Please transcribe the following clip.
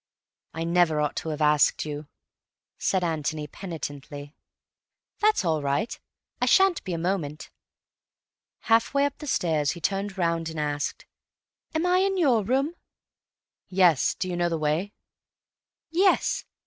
"I never ought to have asked you," said Antony penitently. "That's all right. I shan't be a moment." Half way up the stairs he turned round and asked, "Am I in your room?" "Yes. Do you know the way?" "Yes.